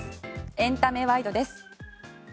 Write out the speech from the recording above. エンタメワイドです。